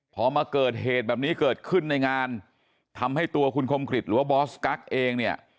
พอมาเกิดเหตุแบบนี้เกิดขึ้นในงานทำให้ตัวคุณคมกริจหรือว่าบอสกั๊กเองเนี่ย